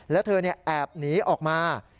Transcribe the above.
และเธอเนี่ยแอบหนีออกมา